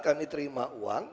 karena diterima uang